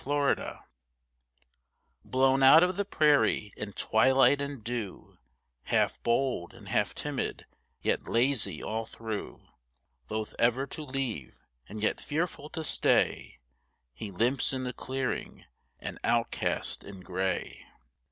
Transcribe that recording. COYOTE Blown out of the prairie in twilight and dew, Half bold and half timid, yet lazy all through; Loath ever to leave, and yet fearful to stay, He limps in the clearing, an outcast in gray.